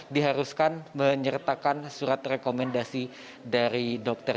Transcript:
diharuskan menyertakan surat rekomendasi dari dokter